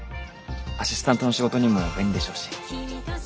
アシスタントの仕事にも便利でしょうし。